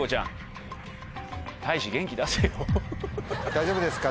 大丈夫ですか？